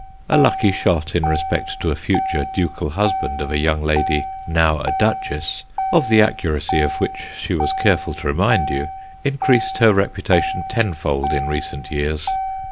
A lucky shot in respect to a future ducal husband of a young lady now a duchess, of the accuracy of which she was careful to remind you, increased her reputation tenfold in recent years.